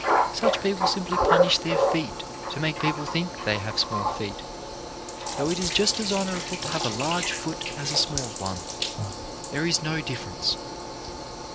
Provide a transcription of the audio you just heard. Such people simply punish their feet to make people think they have small feet, though it is just as honourable to have a large foot as a small one ; there is no difference.